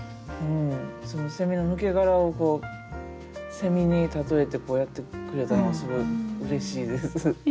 そのセミの抜け殻を蝉に例えてこうやってくれたのがすごいうれしいです。